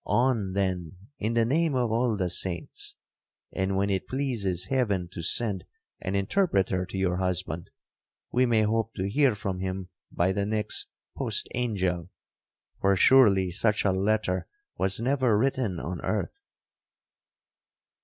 On, then, in the name of all the saints!—and when it pleases heaven to send an interpreter to your husband, we may hope to hear from him by the next post angel, for surely such a letter was never written on earth.'